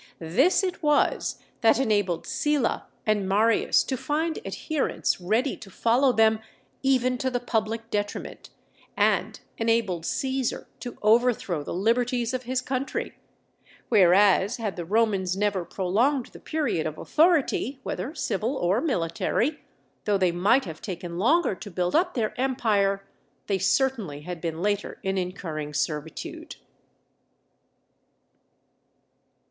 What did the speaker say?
This it was, that enabled Sylla and Marius to find adherents ready to follow them even to the public detriment, and enabled Cæsar to overthrow the liberties of his country; whereas, had the Romans never prolonged the period of authority, whether civil or military, though they might have taken longer to build up their empire, they certainly had been later in incurring servitude.